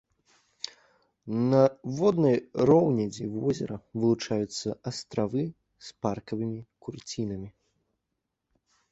На воднай роўнядзі возера вылучаюцца астравы з паркавымі курцінамі.